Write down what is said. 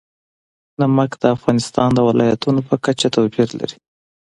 نمک د افغانستان د ولایاتو په کچه توپیر لري.